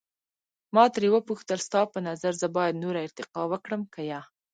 ما ترې وپوښتل، ستا په نظر زه باید نوره ارتقا وکړم که یا؟